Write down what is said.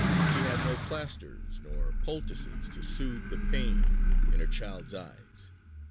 She had no plasters nor poultices to soothe the pain in her child's eyes.